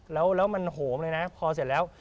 แล้วมันโหมเลยนะพอเสร็จแล้ว